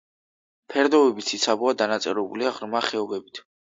ფერდობები ციცაბოა, დანაწევრებულია ღრმა ხეობებით.